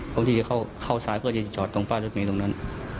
คนที่จะเข้าซ้ายเพื่อจะจอดตรงฝ้ารถมีตรงนั้น